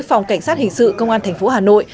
phòng cảnh sát hình sự công an tp hà nội